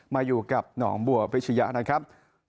มาอยู่กับหนองบัวพิชยะนะครับ